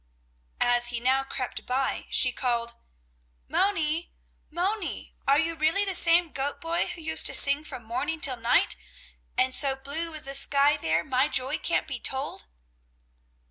As he now crept by, she called: "Moni! Moni! Are you really the same goat boy who used to sing from morning till night: "'And so blue is the sky there My joy can't be told'?"